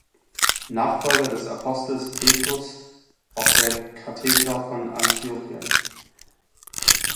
Nachfolger des Apostels Petrus auf der Kathedra von Antiochien.